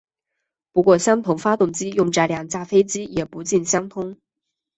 不过相同发动机用在两架飞机也不尽相通。